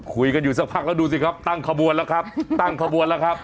คุยกันอยู่สักพักแล้วดูสิครับตั้งขบวนแล้วครับตั้งขบวนแล้วครับ